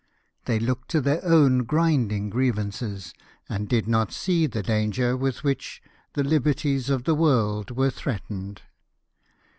They looked to their own grinding grievances, and did not see the danger with which the liberties of the world were threatened.